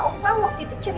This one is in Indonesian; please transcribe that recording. omad mari ke sekolah